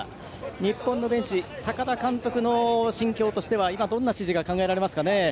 日本のベンチ高田監督の心境としてはどんな指示が考えられますかね。